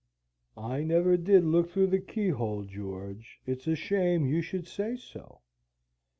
"I never did look through the keyhole, George. It's a shame you should say so!